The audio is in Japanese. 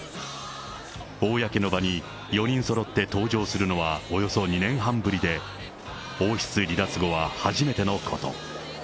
公の場に４人そろって登場するのはおよそ４年半ぶりで、王室離脱後は初めてのこと。